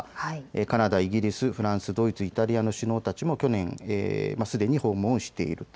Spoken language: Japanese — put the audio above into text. カナダ、イギリス、フランス、ドイツ、イタリアの首脳たちも去年、すでに訪問していると。